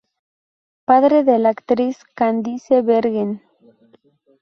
Padre de la actriz Candice Bergen.